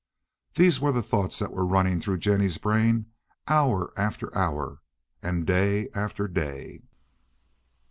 These were the thoughts that were running through Jennie's brain hour after hour and day after day.